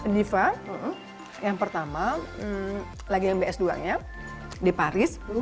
diva yang pertama lagi yang bs dua nya di paris